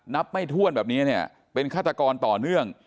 นับไม่ถ้วนแบบนี้เป็นฆาตกรต่อเนื่อง